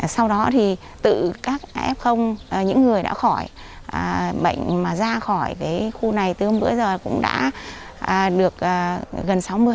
sau đó thì tự các f những người đã khỏi bệnh mà ra khỏi khu này từ hôm bữa giờ cũng đã được gần sáu mươi